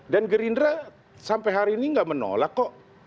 dan gerindra sampai hari ini nggak menolak kok